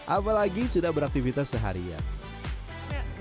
apalagi sudah beraktivitas seharian